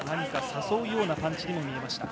誘うようなパンチにも見えました。